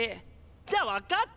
じゃ分かった！